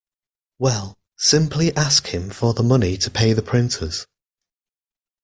Well, simply ask him for the money to pay the printers.